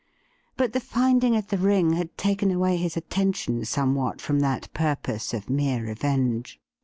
But the finding of the ring had taken away his attention somewhat from that purpose of mere revenge.